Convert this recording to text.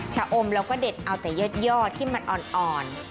ชะอมแล้วก็เด็ดเอาแต่ยอดที่มันอ่อน